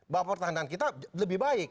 bahwa pertahanan kita lebih baik